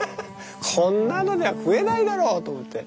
こんなのじゃ食えないだろうと思って。